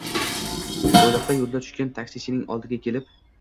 Qo`yliq yo`lida turgan taksichining oldiga kelib